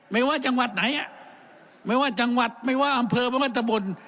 ไม่ว่าจังหวัดไหนไม่ว่าจังหวัดไม่ว่าอำเภอไม่ว่าตะบน